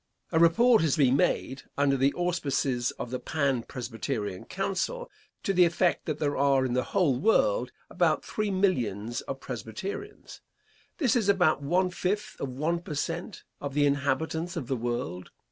A report has been made, under the auspices of the Pan Presbyterian Council, to the effect that there are in the whole world about three millions of Presbyterians. This is about one fifth of one per cent. of the inhabitants of the world.